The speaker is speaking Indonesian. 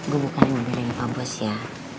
gue bukan yang ngobelin pak bos ya